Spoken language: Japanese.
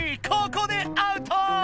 ここでアウト！